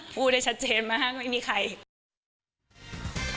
พูดได้ชัดเจนมากไม่มีใคร